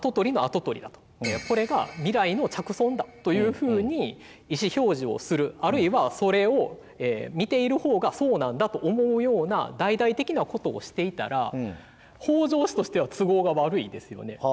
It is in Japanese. これが未来の嫡孫だというふうに意思表示をするあるいはそれを見ている方がそうなんだと思うような大々的なことをしていたら北条氏としては都合が悪いですよね。